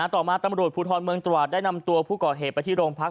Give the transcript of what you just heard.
ต่อมาตำรวจภูทรเมืองตราดได้นำตัวผู้ก่อเหตุไปที่โรงพัก